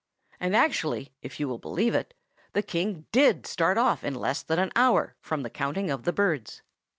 And actually, if you will believe it, the King did start off in less than an hour from the counting of the birds.